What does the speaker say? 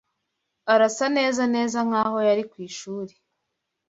Arasa neza neza nkaho yari ku ishuri.